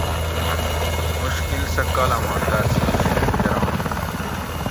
مشکل سہ کالاماں تحصیل شید کرانت